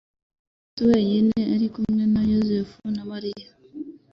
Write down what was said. Yesu wenyine ari kumwe na Yosefu na Mariya,